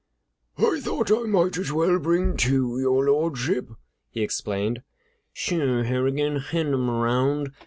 "I thought I might as well bring two, Your Lordship," he explained. "Sure, Harrigan; hand 'em around.